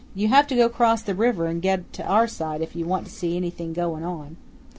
You have to go 'cross the river an' get on to our side if you want to see anything goin' on."